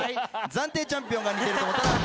暫定チャンピオンが似てると思ったら赤。